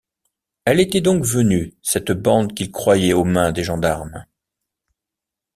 Elle était donc venue, cette bande qu’il croyait aux mains des gendarmes!